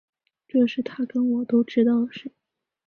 这是他跟我都知道的事